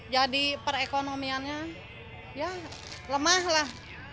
jadi perekonomiannya ya lemah lah